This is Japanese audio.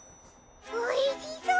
おいしそう！